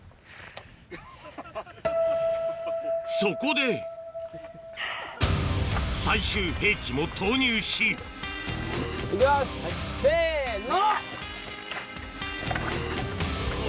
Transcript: そこで最終兵器も投入しいきますせの！